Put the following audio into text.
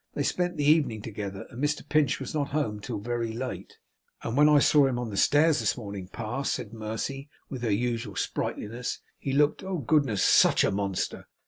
They spent the evening together, and Mr Pinch was not home till very late.' 'And when I saw him on the stairs this morning, Pa,' said Mercy with her usual sprightliness, 'he looked, oh goodness, SUCH a monster!